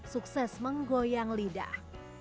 sukses menggoyang lidah